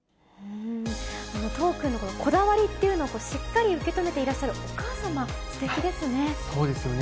都央君のこだわりっていうのをしっかり受け止めていらっしゃるお母さまがすてきですね。